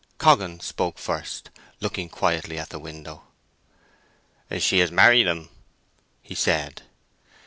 Coggan spoke first, looking quietly at the window. "She has married him!" he said.